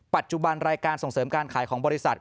ปัจจุบันรายการส่งเสริมการขายของบริษัท